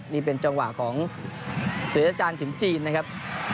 ด้วยเป็นจังหวะของศือราชา๓๙หิมจีนนะครับ